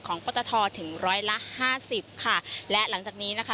ของปอตทธอถึง๑๕๐ล้านบาทและหลังจากนี้นะคะ